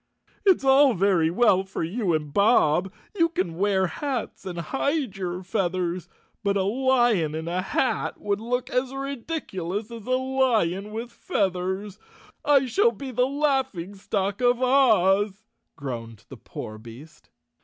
"It's all very well for you and Bob. You can wear hats and hide your feathers, but a lion in a hat would look as ridiculous as a lion with feathers. I shall be the laughing stock of Oz," groaned the poor beast.